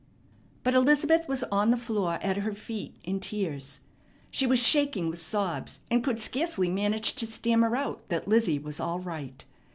But Elizabeth was on the floor at her feet in tears. She was shaking with sobs, and could scarcely manage to stammer out that Lizzie was all right.